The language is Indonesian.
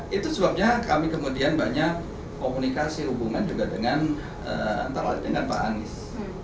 itu sebabnya kami kemudian banyak komunikasi hubungan juga dengan antara dengan pak anies